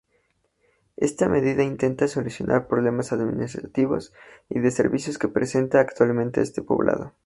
Esta medida intenta solucionar problemas administrativos y de servicios que presenta actualmente este poblado.